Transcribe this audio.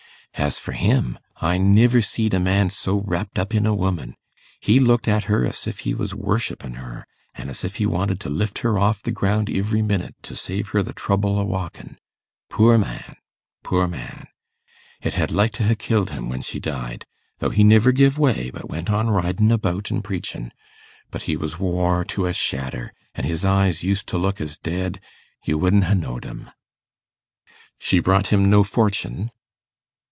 As for him, I niver see'd a man so wrapt up in a woman. He looked at her as if he was worshippin' her, an' as if he wanted to lift her off the ground ivery minute, to save her the trouble o' walkin'. Poor man, poor man! It had like to ha' killed him when she died, though he niver gev way, but went on ridin' about and preachin'. But he was wore to a shadder, an' his eyes used to look as dead you wouldn't ha' knowed 'em.' 'She brought him no fortune?